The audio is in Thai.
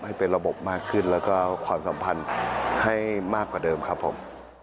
ให้เป็นระบบมากขึ้นแล้วก็ความสัมพันธ์ให้มากกว่าเดิมครับผม